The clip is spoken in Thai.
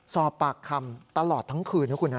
สอบปากคำตลอดทั้งคืนนะคุณฮะ